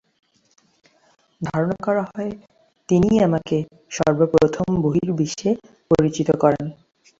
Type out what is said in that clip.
ধারণা করা হয় তিনিই আমকে সর্বপ্রথম বহির্বিশ্বে পরিচিত করান।